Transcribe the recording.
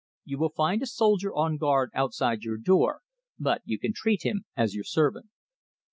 You will find a soldier on guard outside your door, but you can treat him as your servant."